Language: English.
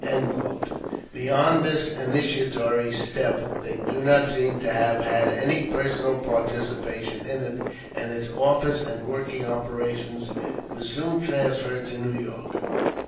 "] Beyond this initiatory step they do not seem to have had any personal participation in it, and its office and working operations were soon transferred to New York.